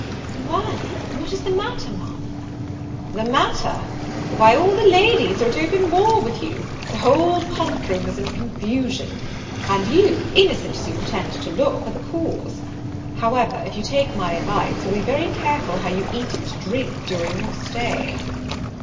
"Why, what is the matter, Ma'am?" "The matter! why, all the ladies are at open war with you, the whole pump room is in confusion; and you, innocent as you pretend to look, are the cause. However, if you take my advice, you will be very careful how you eat and drink during your stay."